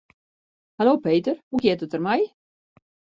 Hallo Peter, hoe giet it der mei?